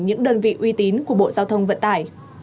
những đơn vị uy tín của bộ giao thông vận tải